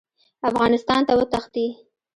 افغانستان ته وتښتي.